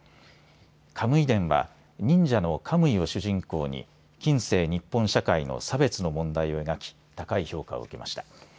カムイ伝は忍者のカムイを主人公に近世日本社会の差別の問題を描き高い評価を受けました。